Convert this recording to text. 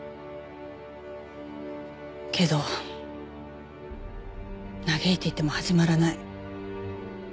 けど嘆いていても始まらない。